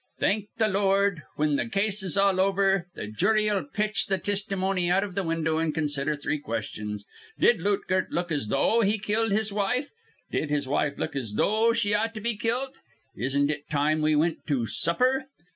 Thank th' Lord, whin th' case is all over, the jury'll pitch th' tistimony out iv th' window, an' consider three questions: 'Did Lootgert look as though he'd kill his wife? Did his wife look as though she ought to be kilt? Isn't it time we wint to supper?'